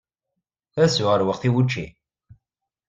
Ad sɛuɣ lweqt i wučči?